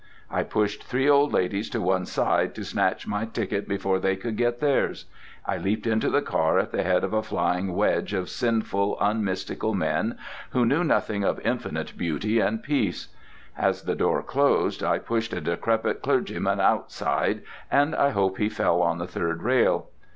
I pushed three old ladies to one side to snatch my ticket before they could get theirs. I leaped into the car at the head of a flying wedge of sinful, unmystical men, who knew nothing of infinite beauty and peace. As the door closed I pushed a decrepit clergyman outside, and I hope he fell on the third rail.